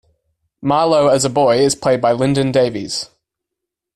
Marlow as a boy is played by Lyndon Davies.